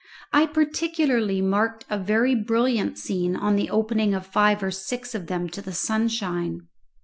I particularly marked a very brilliant scene on the opening of five or six of them to the sunshine.